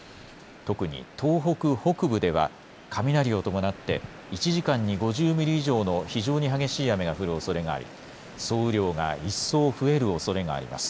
特に東北北部では、雷を伴って、１時間に５０ミリ以上の非常に激しい雨が降るおそれがあり、総雨量が一層増えるおそれがあります。